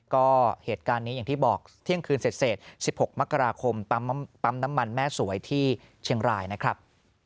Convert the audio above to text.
ก็เหตุการณ์นี้อย่างที่บอกเที่ยงคืนเสร็จ๑๖มกราคมปั๊มน้ำมันแม่สวยที่เชียงรายนะครับ